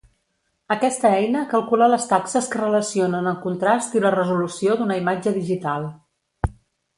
Aquesta eina calcula les taxes que relacionen el contrast i la resolució d'una imatge digital.